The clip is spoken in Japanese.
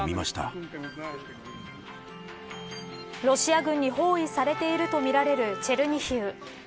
ロシア軍に包囲されているとみられるチェルニヒウ。